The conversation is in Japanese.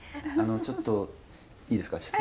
あのちょっといいですか？